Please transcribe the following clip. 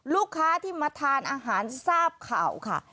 ลูกค้าที่มาทานอาหารทราบข่าวค่ะ